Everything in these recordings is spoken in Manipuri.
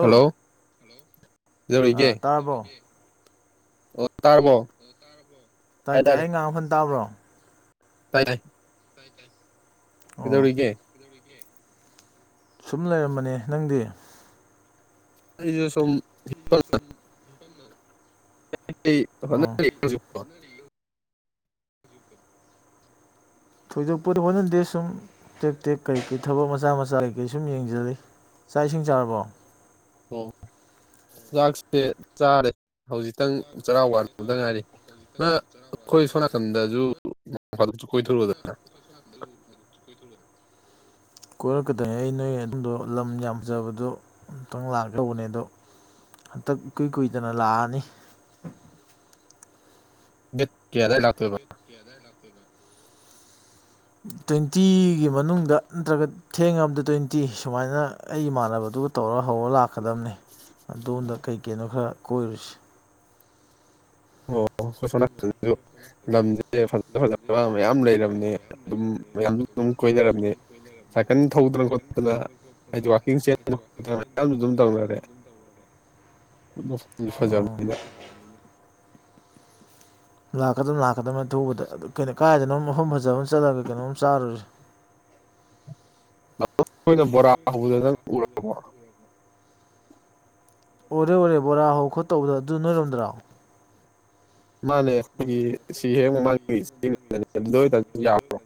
ꯍꯜꯂꯣ ꯀꯩꯗꯧꯔꯤꯒꯦ ꯇꯥꯔꯕꯣ ꯂ ꯇꯔꯔꯕꯣ ꯇꯥꯏ ꯇꯥꯏ ꯑꯩ ꯉꯥꯡ ꯐꯣꯟ ꯇꯥꯕ꯭ꯔꯣ ꯇꯥꯏ ꯇꯥꯤ ꯑꯣ ꯏꯗꯧꯔꯒꯦ ꯁꯨꯝ ꯂꯩꯔꯝꯕꯅꯤ ꯅꯪꯗꯤ ꯑꯩꯁꯨ ꯁꯝ ꯑꯣ [unintelligible] ꯊꯣꯏꯗꯣꯛꯄꯗꯤ ꯍꯣꯠꯅꯗꯦ ꯁꯨꯝ ꯇꯦꯛ ꯇꯦꯛ ꯀꯩꯀꯩ ꯊꯕꯛ ꯃꯆꯥ ꯃꯆꯥ ꯀꯩꯀꯩ ꯁꯨꯝ ꯌꯦꯡꯖꯔꯤ ꯆꯥꯛ ꯏꯁꯤꯡ ꯆꯥꯔꯕꯣ ꯍ ꯆꯥꯛꯁꯦ ꯆꯥꯔꯦ ꯍꯧꯖꯤꯛꯇꯪ ꯆꯔꯥꯋꯥꯟꯕꯗ ꯉꯥꯏꯔꯤ ꯑꯩꯈꯣꯏ ꯁꯣꯝ ꯅꯥꯀꯟꯗꯁꯨ ꯃꯥꯁꯨ ꯀꯣꯏꯊꯔꯨꯗꯅ ꯀꯣꯏꯔꯛꯀꯗꯣꯏꯅꯤ ꯑꯩ ꯅꯣꯏ ꯑꯗꯨꯗꯣ ꯂꯝ ꯌꯥꯝꯖꯕꯗꯣ ꯑꯨꯛꯇꯪ ꯂꯥꯛꯀ ꯇꯧꯕꯅꯦ ꯑꯗꯣ ꯍꯟꯇꯛ ꯏꯀꯨꯏ ꯀꯨꯏꯗꯅ ꯂꯥꯛꯑꯅꯤ ꯠ ꯀ ꯑꯗ ꯂꯥꯇꯋꯕ ꯇ꯭ꯋꯦꯟꯇꯤꯒꯤ ꯃꯅꯨꯡꯗ ꯅꯠꯇ꯭ꯔꯒ ꯊꯦꯡ ꯑꯃꯗ ꯇ꯭ꯋꯦꯟꯇꯤ ꯁꯨꯃꯥꯏꯅ ꯑꯩ ꯏꯃꯥꯟꯅꯕꯗꯨꯒ ꯇꯧ ꯍꯧꯔ ꯍꯧꯔ ꯂꯥꯛꯀꯗꯝꯕꯅꯤ ꯑꯗꯣꯝꯗ ꯀꯩꯀꯩꯅꯣ ꯈꯔ ꯀꯣꯏꯔꯨꯁꯤ ꯑꯣ ꯑꯈꫭꯏ ꯂꯝꯁꯦ ꯐꯖ ꯐꯖꯕ ꯃꯌꯥꯝ ꯂꯩꯔꯕꯅꯦ ꯑꯗꯨꯝ ꯃꯌꯥꯝ ꯑꯗꯨꯝ ꯀꯣꯏꯅꯔꯝꯅꯤ ꯁꯥꯏꯀꯜ ꯊꯧꯗꯅ ꯈꯣꯠꯇꯅ ꯍꯥꯏꯗꯤ ꯋꯥꯛꯀꯤꯡ ꯋꯥ ꯆꯦꯟꯗꯅ ꯈꯣꯠꯇꯅ ꯆ ꯑꯗꯨꯝ ꯇꯧꯗ ꯁꯥꯖꯝ ꯂꯥꯛꯀꯗ ꯂꯥꯛꯀꯗꯕꯅꯤ ꯑꯊꯨꯕꯗꯩꯅꯣ ꯀꯥꯏꯗꯅꯣ ꯃꯐꯝ ꯐꯖꯕ ꯑꯃ ꯆꯠꯂꯒꯦ ꯀꯩꯅꯣꯝ ꯆꯥꯔꯨꯔꯁꯁꯤ ꯣꯏꯅ ꯕꯣꯔꯥ ꯍꯗ ꯅꯪ ꯎꯔꯕꯣ ꯑꯣꯔꯦ ꯑꯣꯔꯦ ꯕꯣꯔꯥ ꯍꯧ ꯈꯣꯠꯠꯇꯧꯕꯗꯣ ꯑꯗꯨ ꯅꯣꯏꯔꯝꯗ꯭ꯔꯥꯎ ꯃꯥꯅꯦ ꯑꯩꯈꯣꯏꯒꯤ ꯁꯤ ꯍꯦꯡꯕ ꯃꯥꯒꯤꯅꯦ ꯑꯗꯨꯗ ꯌꯥ꯭ꯔꯣ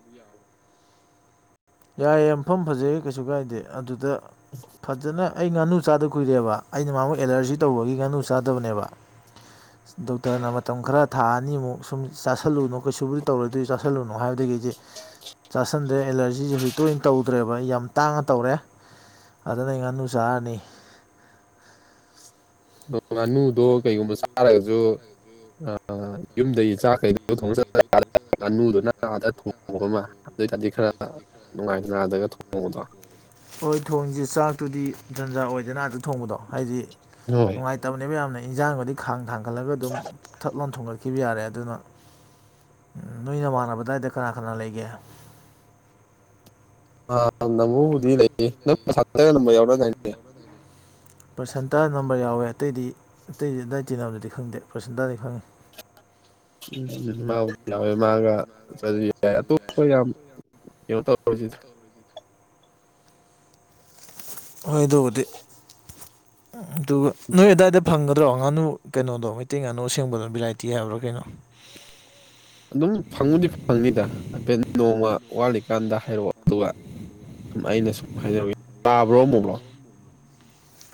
ꯌꯥꯏꯌꯦ ꯃꯐꯝ ꯐꯖꯩꯌꯦ ꯀꯩꯁꯨ ꯀꯥꯏꯗꯦ ꯑꯗꯨꯗ ꯐꯖꯅ ꯑꯩ ꯉꯥꯅꯨ ꯆꯥꯗ ꯀꯨꯏꯔꯦꯕ ꯑꯩꯅ ꯃꯥꯕꯨ ꯑꯦꯂꯔꯖꯤ ꯇꯧꯕꯒꯤ ꯉꯥꯅꯨ ꯆꯥꯗꯕꯅꯦꯕ ꯗꯣꯛꯇꯔꯅ ꯃꯇꯝ ꯈꯔ ꯊꯥ ꯑꯅꯤꯃꯨꯛ ꯁꯨꯝ ꯆꯥꯁꯤꯜꯂꯨꯅꯨ ꯀꯩꯁꯨꯕꯨꯗꯤ ꯇꯧꯔꯨꯗꯣꯏ ꯆꯥꯁꯤꯜꯂꯨꯅꯣ ꯍꯥꯏꯕꯗꯒꯤ ꯆꯥꯁꯟꯗ꯭ꯔꯦ ꯑꯦꯂꯔꯖꯤꯁꯦ ꯍꯧꯖꯤꯛ ꯇꯣꯏꯅ ꯇꯧꯗ꯭ꯔꯦꯕ ꯑꯩ ꯌꯥꯝ ꯇꯥꯡꯉ ꯇꯧꯔꯦ ꯑꯗꯨꯅ ꯑꯩ ꯉꯥꯅꯨ ꯆꯥꯔꯅꯤ ꯉꯥꯅꯨꯗꯣ ꯀꯩꯒꯨꯝꯕ ꯁꯥꯔꯒꯁꯨ ꯑ ꯌꯨꯝꯗꯒꯤꯩ ꯆꯥꯛ ꯀꯩꯗ ꯊꯣꯡ ꯉꯥꯅꯨꯗꯨꯣ ꯅꯥꯗ ꯊꯣꯡꯉꯕ ꯑꯃ ꯑꯗꯨ ꯑꯣꯏꯇꯥꯔꯗꯤ ꯈꯔ ꯅꯨꯡꯉꯥꯏ ꯅꯨꯡꯉꯥꯏꯗꯒ ꯊꯣꯡꯕꯗꯣ ꯍꯣꯏ ꯊꯣꯡꯁꯦ ꯆꯥꯛꯇꯨꯗꯤ ꯖꯟꯖꯥ ꯑꯣꯏꯗꯅ ꯑꯇ ꯊꯣꯡꯕꯗꯣ ꯍꯥꯏꯗꯤ ꯍꯣꯏ ꯅꯨꯡꯉꯥꯏꯇꯕꯅꯦꯕ ꯌꯥꯝꯅ ꯏꯟꯖꯥꯡꯒꯗꯤ ꯈꯥꯡ ꯊꯥꯡꯒꯠꯂꯒ ꯑꯗꯨꯝ ꯊꯠ ꯂꯣꯟ ꯊꯣꯡꯒꯠꯈꯤ ꯈꯤꯕ ꯌꯥꯔꯦ ꯑꯗꯨꯅ ꯅꯣꯏꯅ ꯃꯥꯟꯅꯕꯗꯥꯏꯗ ꯀꯅꯥ ꯀꯅꯥ ꯂꯩꯒꯦ [unintelligible] ꯑ ꯅꯕꯨꯕꯨꯗꯤ ꯂꯩꯌꯦ ꯅꯪ ꯅ ꯌꯥꯎꯔꯗꯥꯅꯦ ꯄꯔꯁꯦꯟꯇꯥ ꯅꯝꯕꯔ ꯌꯥꯎꯋꯦ ꯑꯇꯩꯗꯤ ꯑꯇꯩꯗꯤ ꯗꯥꯏꯇꯤ ꯅꯝꯕꯗꯗꯤ ꯈꯪꯗꯦ ꯄꯔꯁꯦꯟꯇꯥꯗꯤ ꯈꯪꯉꯤ ꯎꯝꯎ ꯌꯥꯋꯦ ꯃꯥꯥꯡꯒ ꯆꯠꯁꯨ ꯌꯥꯏ ꯑꯇꯣꯞꯄ ꯌꯥꯝ ꯀꯩꯅꯣ ꯇꯧꯔꯁꯤ ꯍꯣꯏ ꯑꯗꯨꯕꯨꯗꯤ ꯑꯗꯨꯒ ꯅꯣꯏ ꯑꯗꯨꯗꯥꯋꯥꯏꯗ ꯐꯪꯒ ꯅꯗ꯭ꯔꯣ ꯉꯥꯅꯨ ꯀꯩꯅꯣꯗꯣ ꯃꯩꯇꯩ ꯉꯥꯅꯨ ꯑꯁꯦꯡꯕꯗꯣ ꯚꯦꯔꯥꯏꯇꯤ ꯍꯥꯏꯕ꯭ꯔꯥ ꯀꯩꯅꯣ ꯑꯗꯨꯝ ꯐꯪꯉꯨꯗꯤ ꯐꯪꯅꯤꯗ ꯍꯥꯏꯐꯦꯠ ꯅꯣꯡꯃ ꯋꯥꯠꯂꯤꯀꯥꯟꯗ ꯍꯥꯏꯔꯛꯑꯣ ꯑꯗꯨꯒ ꯁꯨꯝ ꯑꯩꯅ ꯁꯨꯝ ꯍꯥꯏꯖꯔꯒꯦ ꯇꯥꯕ꯭ꯔꯣ ꯑꯃꯝꯃꯨꯕ꯭ꯔꯣ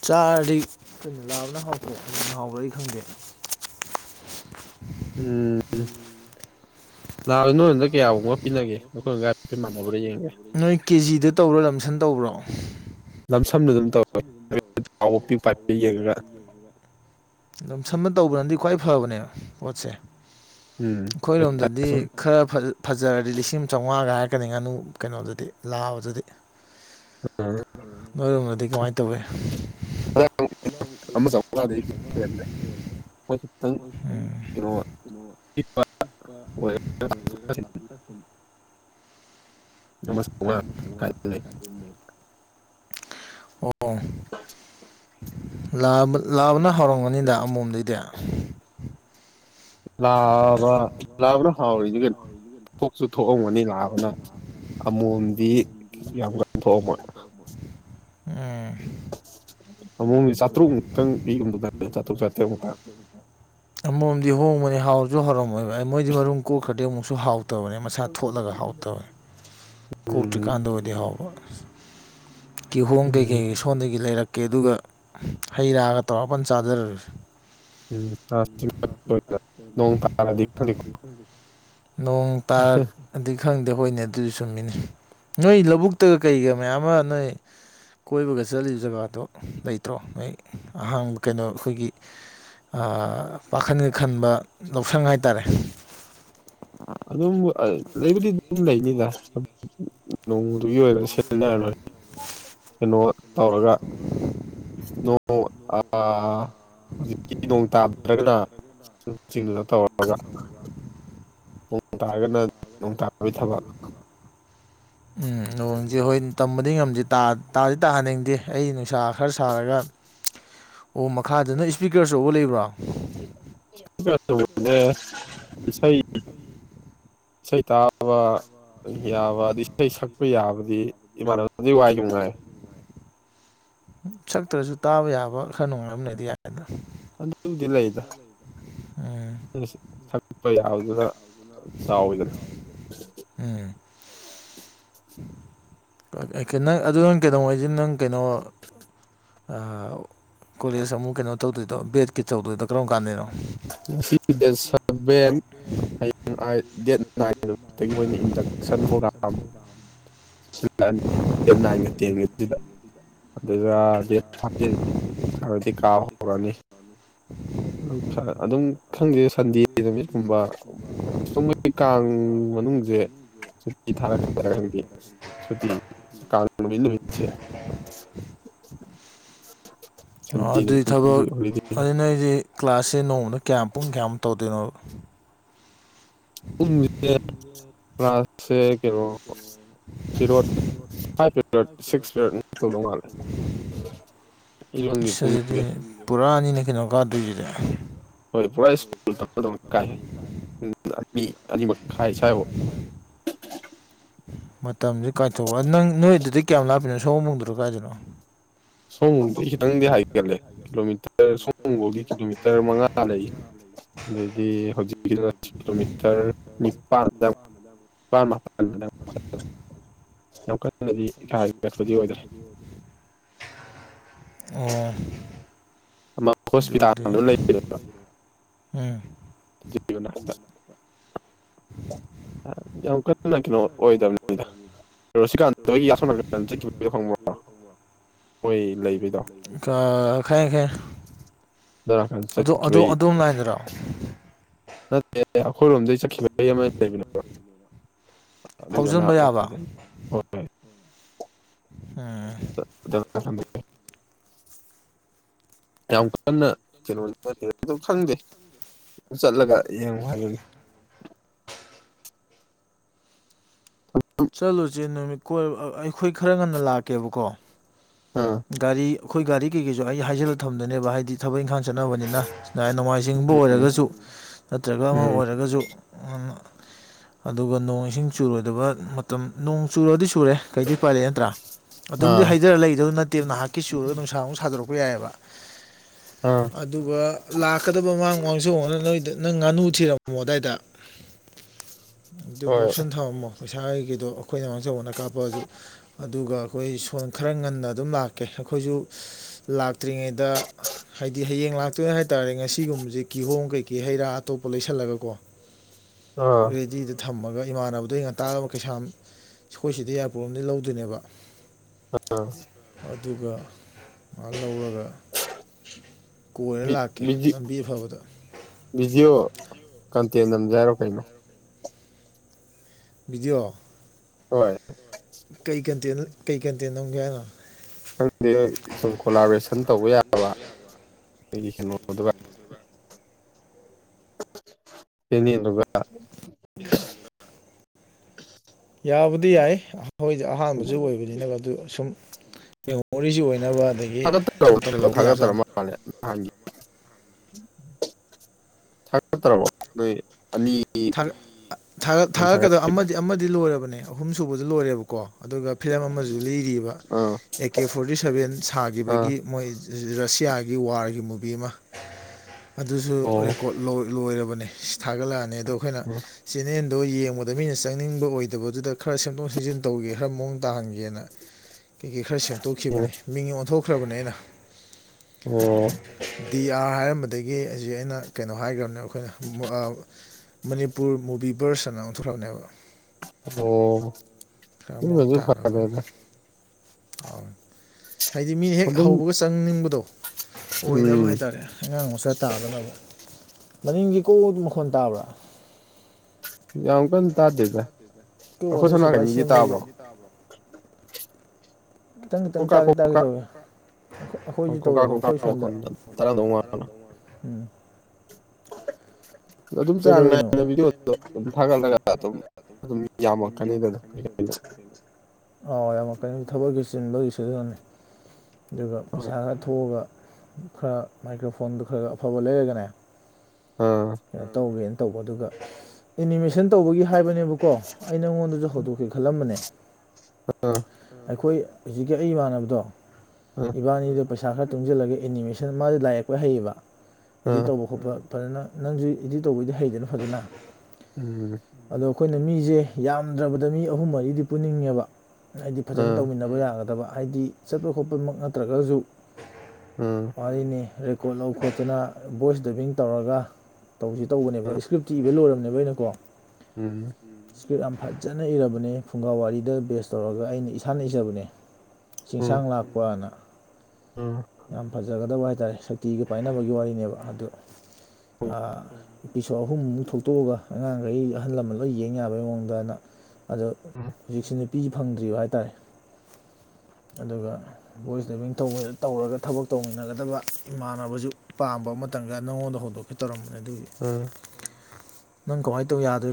ꯆꯥꯔꯗꯤ ꯀꯣꯏꯩꯅ ꯂꯥꯕꯅ ꯍꯥꯎꯇꯦ ꯑꯗꯨꯅ ꯍꯥꯎꯕꯗꯤ ꯈꯪꯗꯦ ꯎꯝ ꯂꯅ ꯍ ꯀꯌꯥꯒꯨꯝꯕ ꯄꯤꯅꯒꯦ ꯑꯩꯈꯣꯏꯅꯒꯩ ꯃꯥꯟꯅꯕ꯭ꯔꯥ ꯌꯦꯡꯒꯦ꯫ ꯅꯣꯏ ꯀꯦꯖꯤꯗ ꯇꯧꯔ ꯂꯝꯁꯟ ꯇꯧꯕ꯭ꯔꯣ ꯂꯝꯁꯝꯅ ꯑꯗꯨꯝ ꯇꯧꯔꯒ ꯌꯦꯡꯉꯒ ꯑꯗꯨꯝ ꯁꯝꯅ ꯇꯧꯕꯅꯗꯤ ꯈ꯭ꯋꯥꯏ ꯐꯕꯅꯦꯕ ꯄꯣꯠꯁꯦ ꯎꯝ ꯑꯩꯈꯣꯏꯔꯣꯝꯗꯗꯤ ꯈꯔ ꯐꯖꯔꯗꯤ ꯂꯤꯁꯤꯡ ꯆꯥꯝꯃꯉꯥꯒ ꯍꯥꯏ ꯆꯀꯅꯤ ꯉꯥꯅꯨ ꯀꯩꯅꯣꯗꯨꯗꯤ ꯂꯥꯕꯗꯨꯗꯤ ꯅꯣꯏꯔꯣꯗꯗꯤ ꯀꯃꯥꯏꯅ ꯇꯧꯋꯤ ꯆ ꯍ ꯀꯩꯅ ꯄꯤꯛꯄ ꯏꯄꯥ ꯑꯣꯏꯔꯒ ꯑꯣꯏ ꯐ ꯅꯁ ꯍꯥꯏꯥꯏꯅꯦ ꯑꯣ [unintelligible] ꯂꯥꯕ ꯂꯥꯕꯅ ꯍꯥꯑꯣꯔꯝꯒꯅꯤꯗ ꯑꯃꯣꯝꯗꯩꯗꯤ ꯂꯥꯕ ꯂꯥꯕꯅ ꯍꯥꯎꯔꯤꯁꯦ ꯀꯩꯅꯣ ꯊꯣꯛꯁꯨ ꯊꯣꯛꯑꯝꯒꯅꯤ ꯂ [unintelligible] ꯑꯃꯣꯝꯗꯤ ꯌꯥꯝ ꯀꯟꯊꯣꯛꯑꯝꯃꯣꯏ ꯎꯝ ꯑꯃꯨꯛꯗꯤ ꯆꯥꯇ꯭ꯔꯨꯛ ꯃꯨꯛꯇꯪ ꯄꯤꯒꯨꯝ ꯇꯧꯗꯥꯏ ꯆꯥꯇ꯭ꯔꯨꯛ ꯆꯥꯇ꯭ꯔꯦꯠ ꯃꯨꯛꯇ ꯑꯃꯣꯝꯗꯤ ꯍꯥꯎꯁꯨ ꯍꯥꯎꯔꯝꯃꯣꯏꯕ ꯑꯩ ꯃꯣꯏꯗꯤ ꯃꯔꯨꯝ ꯀꯣꯛꯈ꯭ꯔꯗꯤ ꯑꯃꯨꯛꯁꯨ ꯍꯥꯎꯇꯕꯅꯦ ꯃꯁꯥ ꯊꯣꯠꯂꯒ ꯍꯥꯎꯇꯕꯅꯤ ꯀꯣꯛꯇ꯭ꯔꯤ ꯎꯝ ꯀꯥꯟꯗ ꯑꯣꯏꯗꯤ ꯍꯥꯎꯕ ꯀꯤꯍꯣꯝ ꯎꯝ ꯀꯩꯀꯩ ꯁꯣꯝꯗꯒꯤ ꯂꯩꯔꯛꯀꯦ ꯑꯗꯨꯒ ꯍꯩ ꯔꯥꯒ ꯇꯧꯔꯒ ꯐꯟ ꯆꯥꯗꯔꯁꯤ ꯎꯝ ꯅꯣꯡ ꯎꯝ ꯇꯥꯔꯗꯤ ꯈꯪꯗꯦꯀꯣ [inaudible] ꯅꯣꯡ ꯇꯥꯔꯛꯑꯗꯤ ꯈꯪꯗꯦ ꯍꯣꯏꯅꯦ ꯑꯗꯨꯗꯤ ꯆꯨꯝꯃꯤꯅꯤ ꯅꯣꯏ ꯂꯧꯕꯨꯛꯇꯒ ꯀꯩꯒ ꯃꯌꯥꯝ ꯑꯃ ꯅꯣꯏ [inaudible] ꯀꯣꯏꯕꯒ ꯆꯠꯂꯤꯕ ꯖꯒꯥꯗꯣ ꯂꯩꯇ꯭ꯔꯣ ꯅꯣꯏ ꯑꯍꯥꯡꯕ ꯀꯩꯅꯣ ꯑꯩꯈꯣꯏꯒꯤ ꯑ ꯄꯥꯈꯟꯒ ꯈꯟꯕ ꯂꯧꯁꯪ ꯍꯥꯏꯇꯥꯥꯔꯦ ꯑꯗꯨꯝ ꯑ ꯂꯩꯕꯨꯗꯤ ꯑꯗꯨꯝ ꯂꯩꯅꯤ [unintelligible] ꯅꯣꯡꯃꯗꯨꯒꯤ ꯑꯣꯏꯕ ꯁꯤꯟꯅꯔ ꯂꯣꯏ ꯀꯩꯅꯣ ꯇꯧꯔꯒ ꯅꯣ ꯑꯣ ꯑꯥ ꯍꯧꯖꯤꯛꯇꯤ ꯅꯣꯡ ꯇꯥꯗ꯭ꯔꯒꯅ [unintelligible] ꯇꯧꯔꯒ ꯇꯥꯒꯅ ꯎꯝ ꯅꯣꯡꯁꯤ ꯍꯣꯏ ꯇꯝꯕꯗꯤ ꯉꯝꯗꯦ ꯇꯥ ꯇꯥꯗꯤ ꯇꯥꯍꯟꯅꯤꯡꯗꯦ ꯑꯩ ꯅꯨꯡꯁꯥ ꯈꯔ ꯁꯥꯔꯒ ꯑꯣ ꯃꯈꯥꯗꯅ ꯏꯁꯄꯤꯀꯔ ꯑꯆꯧꯕ ꯂꯩꯕ꯭ꯔꯣ ꯑ ꯏꯁꯩ ꯏꯁꯩ ꯇꯥꯕ ꯌꯥꯕ ꯑ ꯏꯁꯩ ꯁꯛ ꯑꯩꯣꯏ ꯌꯥꯕꯗꯤ ꯏꯃꯥꯟꯅꯕꯗꯤ ꯋꯥꯏꯈꯤꯕꯅꯥꯏ ꯁꯛꯇ꯭ꯔꯁꯨ ꯇꯥꯕ ꯌꯥꯕ ꯈꯔ ꯅꯨꯡꯉꯥꯏꯕꯅꯦꯗꯤ ꯌꯥꯏꯗ ꯑꯗꯨꯕꯨꯗꯤ ꯂꯩꯗ ꯎꯝ ꯁꯛꯄ ꯌꯥꯎꯗꯨꯅ ꯆꯥꯎꯑꯣꯗꯅꯣ ꯎꯝ ꯪ ꯑꯗꯨ ꯅꯪ ꯀꯩꯅꯣꯉꯩꯁꯤꯦ ꯅꯪ ꯀꯩꯅꯣ ꯀꯣꯂꯦꯖ ꯑꯃꯨꯛ ꯀꯩꯅꯣ ꯇꯧꯗꯣꯏꯗꯣ ꯕꯦꯠꯀꯤ ꯇꯧꯗꯣꯏꯗꯣ ꯀꯔꯝ ꯀꯥꯟꯗꯅꯣ ꯉꯁꯤꯒ ꯗꯦꯠ ꯁꯚꯦꯟ ꯍꯌꯦꯡ ꯑꯥꯏꯠ꯫ ꯗꯦꯠ ꯅꯥꯏꯟꯃꯛꯇꯒꯤ ꯃꯣꯏꯅ ꯏꯟꯗꯛꯁꯟ ꯄ꯭ꯔꯣꯒ꯭ꯔꯥꯝ [unintelligible] [unintelligible] ꯑꯗꯨꯝ ꯈꯪꯗꯦꯗ꯫ ꯁꯨꯝ ꯃꯣꯏꯒꯤ ꯀꯥꯡ ꯃꯅꯨꯡꯁꯦ [unintelligible] [unintelligible] [unintelligible] ꯑꯣ ꯁꯟꯗꯦ ꯑꯗꯨꯏ ꯅꯨꯃꯤꯠꯀꯨꯝꯕꯗꯤ ꯊꯕꯛ ꯍꯣꯂꯤꯗꯦꯅ ꯑꯗꯨ ꯅꫭꯏꯗꯤ ꯀ꯭ꯂꯥꯁ ꯏꯦ ꯅꯣꯡꯃꯗ ꯀꯌꯥ ꯄꯨꯡ ꯀꯌꯥꯃꯨꯛ ꯇꯧꯗꯣꯏꯅꯣ꯫ [unintelligible] [unintelligible] [unintelligible] ꯏꯔꯪꯒꯤ ꯏꯁ ꯑꯗꯨꯗꯤ ꯄꯨꯡꯁꯦ ꯄꯨꯔꯥ ꯅꯤꯅꯦ ꯀꯩꯅꯣ ꯀꯥꯗꯣꯏꯁꯤꯗꯤ꯫ [unintelligible] [unintelligible] ꯃꯇꯝꯁꯨ ꯀꯥꯏꯊꯣꯛꯑꯣ ꯅꯪ ꯅꯣꯏꯗꯨꯗꯤ ꯀꯌꯥꯝ ꯂꯥꯛꯄꯤꯅꯣ ꯁꯨꯋꫭꯝꯕꯨꯡꯗꫠꯔꯣ ꯀꯥꯏꯗꯩꯅꯣ꯫ ꯁꯋꯣꯝꯕꯨꯡꯗꯩ ꯈꯤꯇꯪꯗꯤ ꯍꯥꯏꯒꯠꯂꯦ ꯀꯤꯂꯣꯃꯤꯇꯔ ꯁꯋꯣꯝꯕꯨꯡꯒꯤ ꯀꯤꯂꯣꯃꯤꯇꯔ ꯃꯉꯥ ꯂꯩ꯫ ꯑꯗꯩꯗꯤ ꯍꯧꯖꯤꯛꯀꯤꯗ ꯀꯤꯂꯣꯃꯤꯇꯔ ꯅꯤꯄꯥꯟꯗ [unintelligible] [unintelligible] ꯑꯣ꯫ ꯑꯗꯨꯗꯤ ꯍꯣꯁꯄꯤꯇꯥꯜꯗꫭ ꯂꯩꯔꯒ ꯎꯝ [unintelligible] ꯅ ꯀꯩꯅꯣ ꯑꯣꯏꯗꯕꯅꯤꯗ꯫ [unintelligible] ꯂꯩꯕꯩꯗꯣ ꯀꯥ ꯈꯪꯑꯦ-ꯈꯪꯑꯦ꯫ ꯑꯗꯣ ꯅꯥꯀꯟ ꯑꯗꯨ ꯑꯗꯨ ꯆꯠꯈꯤꯕꯩ ꯑꯗꯨꯝ ꯂꯥꯏꯗꯔꫭ꯫ ꯅꯠꯇꯦ ꯑꯩꯈꯣꯏꯔꯣꯝꯗꯒꯤꯩ ꯆꯠꯈꯤꯕ ꯂꯩ ꯑꯃ ꯂꯩꯕꯅꯦꯕ꯫ ꯐꯥꯎꯖꯤꯟꯕ ꯑꯗꯨꯒꯅ ꯌꯥꯕ ꯍꯣꯏ ꯍꯣꯏ ꯎꯝ꯫ [unintelligible] ꯌꯥꯝ ꯀꯟꯅ ꯀꯩꯅꯣ꯫ [inaudible] ꯆꯠꯂꯒ ꯌꯦꯡꯉꯨ ꯍꯌꯦꯡ꯫ ꯆꯠꯂꯨꯁꯦ ꯅꯨꯃꯤꯠ ꯀꫭꯏ ꯑꯩꯈꯣꯏ ꯈꯔ ꯉꯟꯅ ꯂꯥꯛꯀꯦꯕꯀꯣ꯫ ꯑꯥ ꯒꯥꯔꯤ ꯑꯈꯣꯏ ꯒꯥꯔꯤ ꯀꯩꯀꯩꯁꯨ ꯑꯩ ꯍꯥꯏꯖꯤꯜꯂ ꯊꯝꯗꯥꯏꯅꯦꯕ ꯍꯥꯏꯗꯤ ꯊꯕꯛ ꯏꯪꯈꯥꯡ ꯆꯠꯅꯕꯅꯤꯅ꯫ ꯅꯥꯏ ꯅꯣꯡꯃꯥꯏꯖꯤꯡꯕꯨ ꯎꯝ ꯑꯣꯏꯔꯒꯁꯨ ꯅꯠꯇ꯭ꯔꯒ ꯑꯃ ꯎꯝ ꯑꯣꯏꯔꯒꯁꯨ꯫ ꯑꯗꯨꯒ ꯅꯣꯡ ꯏꯁꯤꯡ ꯆꯨꯔꯣꯏꯗꯕ ꯃꯇꯝ ꯅꯣꯡ ꯆꯨꯔꯗꯤ ꯆꯨꯔꯦ ꯀꯩꯗꯤ ꯄꯥꯏꯜꯂꯛꯑꯦ ꯅꯠꯇ꯭ꯔꯥ꯫ ꯑꯗꯨꯝꯗꯤ ꯑꯥ ꯍꯩꯊꯔ ꯂꯩꯗꯧꯗꯤ ꯅꯠꯇꯦꯕ ꯅꯍꯥꯛꯀꯤ ꯆꯨꯔꯒ ꯅꯨꯡꯁꯥꯃꯨꯛ ꯁꯥꯗꯣꯔꯛꯄ ꯌꯥꯏꯑꯦꯕ꯫ ꯑꯥ ꯑꯗꯨꯒ ꯂꯥꯛꯀꯗꯕ ꯃꯥꯡ ꯃꯥꯡꯁꯨ ꯍꯣꯡꯅꯅꯕ ꯅꯣꯏꯗ ꯅꯪ ꯉꯥꯅꯨ ꯊꯤꯔꯝꯃꯣ ꯑꯗꯥꯏꯗ ꯑꯗꯨ ꯑꯗꯨ ꯍꯣꯏ ꯂꯧꯁꯤꯟ ꯊꯝꯔꯝꯃꯣ꯫ ꯄꯩꯁꯥꯒꯤꯗꯣ ꯑꯩꯈꯣꯏꯅ ꯃꯥꯡꯆꯧꯕꯅ ꯀꯥꯞꯄꯑꯁꯨ ꯑꯗꯨꯒ ꯑꯩꯈꯣꯏ ꯁꯣꯟ ꯈꯔ ꯉꯟꯅ ꯑꯗꯨꯝ ꯂꯥꯛ ꯀꯦ ꯑꯈꯣꯏꯁꯨ ꯂꯥꯛꯇ꯭ꯔꯤꯉꯩꯗ ꯍꯥꯏꯗꯤ ꯍꯌꯦꯡ ꯂꯥꯛꯇꯣꯏꯅ ꯍꯥꯏꯇꯥꯔꯦ ꯉꯁꯤ ꯁꯤꯒꯨꯝꯕꯁꯦ ꯀꯤꯍꯣꯝ ꯀꯩꯀꯩ ꯍꯩ ꯔꯥ ꯑꯇꯣꯞꯄ ꯂꯩꯁꯜꯂꯒꯀꯣ ꯑꯥ ꯔꯦꯗꯤꯗ ꯊ ꯊꯝꯑꯒ ꯏꯃꯥꯟꯅꯕꯗ ꯉꯟꯇꯥꯅ ꯀꯩꯁꯥꯝ ꯁꯈꯣꯏꯁꯤꯗ ꯌꯥ ꯄ꯭ꯔꯣꯝꯗꯤ ꯂꯧꯗꯣꯏꯅꯦꯕ꯫ ꯑꯥ꯫ ꯑꯗꯨꯒ ꯃꯥ ꯂꯧꯔꯒ ꯀꯣꯏꯔ ꯕꯤ ꯂꯥꯛꯀꯦ ꯕꯤꯖꯤ ꯂꯝꯕꯤ ꯑꯐꯕꯗ ꯕꯤꯖꯤꯑꯣ ꯀꯥꯟꯇꯦꯟ ꯅꯝꯖꯦ ꯍꯥꯏꯔꯣ ꯀꯩꯅꯣ꯫ ꯕꯤꯗꯤꯑꯣ꯫ ꯍꯣꯏ꯫ ꯀꯩ ꯀꯟꯇꯦꯟ ꯀꯩ ꯀꯟꯇꯦꯟ ꯅꯝꯒꯦ ꯍꯥꯏꯅꯣ꯫ ꯈꯪꯗꯦꯍꯦ ꯁꯨꯝ ꯀꯣꯂꯥꯕꯔꯦꯁꯟ ꯇꯧꯕ ꯌꯥꯕ꯫ ꯑꯩꯒꯤ ꯑꯗꯨꯒ꯫ [unintelligible] ꯌꯥꯕꯨꯗꯤ ꯌꯥꯏ ꯑꯩꯈꯣꯏꯗꯤ ꯑꯍꯥꯟꯕꯁꯨ ꯑꯣꯏꯕꯅꯤꯅ ꯑꯗꯨ ꯁꯨꯝ꯫ ꯃꯦꯃꯣꯔꯤꯁꯨ ꯑꯣꯏꯅꯕ꯫ ꯑꯗꯒꯤ ꯊꯥꯒ ꯁꯨꯝ ꯇꯧꯍꯧꯕꯗꯤ ꯊꯥꯒꯠꯇꯔ ꯌꯥꯕꯖꯥꯠꯅꯤ ꯃꯥꯜꯂꯦ ꯅꯍꯥꯟꯒꯤ꯫ [unintelligible] ꯊꯥꯒꯠ ꯊꯥꯒꯛꯀꯗꯕ ꯑꯃꯗꯤ ꯑꯃꯗꯤ ꯂꯣꯏꯔꯕꯅꯦ ꯑꯍꯨꯝ ꯁꯨꯕꯗꯨ ꯂꯣꯏꯔꯦꯕꯀꯣ꯫ ꯑꯗꯨꯒ ꯐꯤꯂꯝ ꯑꯃꯁꯨ ꯂꯩꯔꯤꯕ꯫ ꯑꯥ ꯑꯦ ꯀꯦ ꯐꯣꯔꯇꯤ ꯁꯚꯦꯟ ꯑꯥ ꯁꯥꯈꯤꯕꯒꯤ ꯃꯣꯏ ꯔꯁꯤꯌꯥ꯫ ꯒꯤ ꯋꯥꯔꯒꯤ ꯃꯨꯚꯤ ꯑꯃ ꯑꯗꯨꯁꯨ ꯑꯣ ꯔꯦꯀꯣꯔꯠ ꯂꯧ꯫ ꯂꯣꯏꯔꯕꯅꯦ ꯊꯥꯒꯠꯂꯛꯑꯅꯤ ꯑꯗꯣ ꯑꯩꯈꯣꯏꯅ ꯆꯦꯟꯅꯜꯗꯣ ꯌꯦꯡꯕꯗ꯫ ꯑꯗ ꯃꯤꯅ ꯆꯪꯅꯤꯡꯕ ꯑꯣꯏꯗꯕꯗꯨꯗ ꯈꯔ ꯁꯦꯝꯗꯣꯛ ꯁꯦꯝꯖꯤꯟ ꯇꯧꯒꯦ ꯈꯔ ꯃꯑꯣꯡ ꯇꯥꯍꯟꯒꯦꯅ꯫ ꯀꯩꯀꯩ ꯈꯔ ꯁꯦꯝꯗꯣꯛꯈꯤꯕꯅꯦ ꯃꯤꯡ ꯑꯣꯟꯊꯣꯛꯈ꯭ꯔꯕꯅꯦ ꯑꯩꯅ꯫ ꯑꯣ꯫ ꯗꯤ ꯑꯥꯔ ꯍꯥꯏꯔꯝꯕꯗꯒꯤ ꯍꯧꯖꯤꯛ ꯑꯩꯅ ꯀꯩꯅꯣ ꯍꯥꯏꯈ꯭ꯔꯕꯅꯦ ꯑꯩꯈꯣꯏꯅ꯫ ꯃꯅꯤꯄꯨꯔ ꯃꯨꯚꯤ ꯚꯔꯁ ꯑꯅ ꯑꯣꯟꯊꯣꯛꯈꯕꯅꯦꯕ꯫ ꯑꯣ ꯐ ꯂꯩꯗ꯫ ꯑ ꯍꯥꯏꯗꯤ ꯃꯤꯅ ꯍꯦꯛ ꯑꯗꯨꯝ ꯍꯧꯕꯒ ꯆꯪꯅꯤꯡꯕꯗꯣ꯫ ꯑꯣꯏꯅꯕ ꯎꯝ ꯍꯥꯏꯇꯥꯔꯦ ꯑꯉꯥꯡ ꯃꯆꯥ ꯇꯥꯗꯅꯕ꯫ ꯃꯅꯤꯡꯒꯤ ꯀꯣꯛ ꯑꯗꯨ ꯃꯈꯣꯟ ꯇꯥꯕ꯭ꯔꯥ꯫ ꯌꯥꯝ ꯀꯟ ꯇꯥꯗꯦꯒ꯫ ꯀ ꯋꯥꯇꯔ ꯁꯄ꯭ꯂꯥꯏ ꯁꯦꯝꯕꯒꯦ꯫ ꯈꯤꯇꯪ ꯈꯤꯇꯪ ꯀꯣꯀꯥ ꯇꯥꯒꯦ ꯇꯥꯒꯦ ꯀꯣꯀꯥ ꯇꯧꯋꯦ꯫ ꯑꯩꯈꯣꯏꯁꯨ ꯀꯣꯀꯥ ꯇꯧꯋꯦꯕ ꯀꯣꯀꯥ ꯑꯩꯈꯣꯏ ꯁꯣꯟꯗ ꯃꯈꯣꯟ ꯇꯥꯔꯝꯗꯧ ꯃꯥꯟꯕ ꯎꯝ꯫ ꯑꯗꯨꯝ ꯆꯥꯡ ꯀꯩꯗꯧꯔꯤꯅꯣ ꯅꯥꯏꯅ ꯕꯤꯗꯤꯑꯣꯗ ꯑꯗꯨꯝ ꯊꯥꯒꯠꯂꯒ ꯑꯗꯨꯝ꯫ ꯌꯥꯝꯃꯛꯀꯅꯤꯗꯅ ꯑꯥꯎ ꯌꯥꯝꯃꯛꯀꯅꯤ꯫ ꯊꯕꯛꯀꯤ ꯆꯤꯟꯕꯒꯤ ꯁꯤꯖꯅꯤ ꯑꯗꯨꯒ ꯄꯩꯁꯥ ꯈꯔ ꯊꯣꯛꯑꯒ꯫ ꯈꯔ ꯃꯥꯏꯀ꯭ꯔꯣꯐꯣꯟꯗꯨ ꯈꯔ ꯈ ꯑꯐꯕ ꯂꯩꯔꯒꯅꯦ ꯑꯥ ꯀꯩꯅꯣ ꯇꯧꯒꯦꯅ꯫ ꯇꯧꯕ ꯑꯗꯨꯒ ꯑꯦꯅꯤꯃꯦꯁꯟ ꯇꯧꯕꯒꯤ ꯍꯥꯏꯕꯅꯦꯕꯀꯣ꯫ ꯑꯩ ꯅꯉꯣꯟꯗꯁꯨ ꯍꯧꯗꯣꯛꯀꯦ ꯈꯜꯂꯝꯕꯅꯦ ꯑꯥ ꯑꯩꯈꯣꯏ ꯍꯧꯖꯤꯛꯀꯤ ꯑꯩ ꯏꯃꯥꯟꯅꯕꯗꯣ꯫ ꯑꯥ ꯏꯕꯥꯅꯤꯗ ꯄꯩꯁꯥ ꯈꯔ ꯇꯨꯡꯁꯤꯜꯂꯒ ꯑꯦꯅꯤꯃꯦꯁꯟ ꯃꯥꯁ ꯂꯥꯏ ꯌꯦꯛꯄ ꯍꯩꯌꯦꯕ꯫ ꯏꯗꯤꯠ ꯑꯥ ꯇꯧꯕ ꯈꯣꯠꯄ ꯐꯖꯅ ꯅꯪꯁꯨ ꯏꯗꯤꯠ ꯇꯧꯕꯩꯗꯤ ꯍꯩꯗꯅ ꯐꯖꯅ꯫ ꯎꯝ꯫ ꯑꯗꯣ ꯑꯩꯈꯣꯏꯅ ꯃꯤꯁꯦ ꯌꯥꯝꯗ꯭ꯔꯕꯗ ꯃꯤ ꯑꯍꯨꯝ ꯃꯔꯤꯗꯤ ꯄꯨꯅꯤꯡꯉꯦꯕ ꯍꯥꯏꯗꯤ ꯐꯖꯅ ꯑꯥ ꯇꯧꯃꯤꯟꯅꯕ ꯌꯥꯒꯗꯕ꯫ ꯍꯥꯏꯗꯤ ꯆꯠꯄ ꯈꯣꯠꯄꯃꯛ ꯅꯠꯇ꯭ꯔꯒꯁꯨ ꯑꯥ ꯋꯥꯔꯤꯅꯤ꯫ ꯈꯣꯠ ꯂꯧ ꯈꯣꯠꯇꯅ ꯚꯣꯏꯁ ꯗꯦꯕꯤꯡ ꯇꯧꯔꯒ ꯇꯧꯁꯤ ꯑꯥ ꯇꯧꯕꯅꯦꯕ ꯏꯁꯀ꯭ꯔꯤꯞꯇꯤ ꯏꯕ ꯂꯣꯏꯔꯕꯅꯦꯕ꯫ ꯅꯀꯣ꯫ ꯎꯝ꯫ ꯏꯁꯀ꯭ꯔꯤꯞ ꯌꯥꯝ ꯐꯖꯅ ꯏꯔꯕꯅꯦ ꯐꯨꯡꯒꯥ ꯋꯥꯔꯤꯗ ꯕꯦꯁ ꯇꯧꯔꯒ ꯑꯩꯅ ꯏꯁꯥꯅ ꯏꯖꯕꯅꯦ꯫ ꯎꯝ ꯆꯤꯡꯁꯥꯡ ꯂꯥꯛꯄꯅ ꯎꯝ ꯌꯥꯝ ꯐꯖꯒ꯫ ꯇꯕ ꯍꯥꯏꯇꯥꯔꯦ ꯁꯛꯇꯤꯒ ꯄꯥꯏꯅꯕꯒꯤ ꯋꯥꯔꯤꯅꯦꯕ ꯑꯗꯨ ꯎꯝ ꯑꯥ ꯏꯄꯤꯁꯣꯠ ꯑꯍꯨꯝꯃꯨꯛ ꯊꯣꯛꯇꯣꯛꯑꯒ ꯑꯉꯥꯡꯈꯩ ꯑꯍꯜ ꯂꯃꯟ ꯂꯣꯏ ꯌꯦꯡ ꯌꯥꯕꯩ ꯃꯑꯣꯡꯗ ꯑꯅ ꯑꯗꯣ ꯍꯧꯖꯤꯛꯁꯤ ꯅꯨꯄꯤ ꯐꯪꯗ꯭ꯔꯤꯕ ꯍꯥꯏꯇꯥꯔꯦ [inaudible] ꯑꯗꯨꯒ ꯚꯣꯏꯁ ꯗꯦꯚꯡꯧꯕꯗ ꯇꯧꯔꯒ ꯊꯕꯛ ꯇꯧꯃꯤꯟꯅꯒꯗꯕ ꯏꯃꯥꯟꯅꯕꯁꯨ ꯄꯥꯝꯕ ꯑꯃ ꯅꯉꯣꯟꯗ ꯍꯧꯗꯣꯛ ꯇꯧꯔꯝꯕꯅꯦ ꯑꯗꯨ ꯎꯝ ꯅꯪ ꯀꯃꯥꯏꯅ ꯇꯧ ꯌꯥꯗꯣꯏ